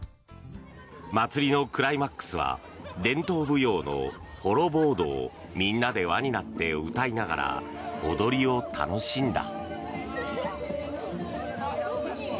祭りのクライマックスは伝統舞踊のホロヴォードをみんなで輪になって歌いながら踊りを楽しんだ。